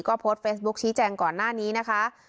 ก็โพสต์เฟซบุ๊คชี้แจงก่อนหน้านี้นะคะ